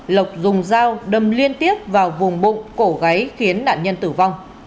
lộc dùng dao đâm liên tiếp vào vùng bụng cổ gáy khiến nạn nhân tử vong